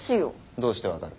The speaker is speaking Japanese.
どうして分かる？